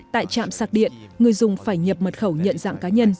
tại trạm sạc điện người dùng phải nhập mật khẩu nhận dạng cá nhân